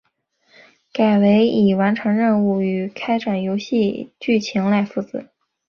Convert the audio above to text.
改为以完成任务与展开游戏剧情来负责。